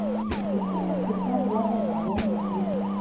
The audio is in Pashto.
چین اقتصادي وده دوام لري.